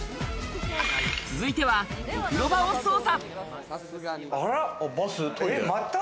続いては、お風呂場を捜査。